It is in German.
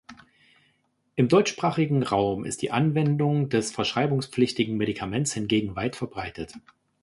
Im deutschsprachigen Raum ist die Anwendung des verschreibungspflichtigen Medikaments hingegen weit verbreitet.